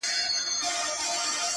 په سپورږمۍ كي زمــــــــــا زړه دى _